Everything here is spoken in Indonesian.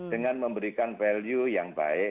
dengan memberikan value yang baik